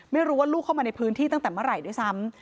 ไม่รู้ว่าลูกเข้ามาในพื้นที่ตั้งแต่เมื่อไหร่ด้วยซ้ำ